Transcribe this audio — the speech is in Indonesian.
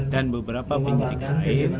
dan beberapa penyidik lain